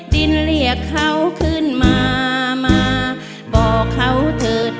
ดินเรียกเขาขึ้นมามาบอกเขาเถิด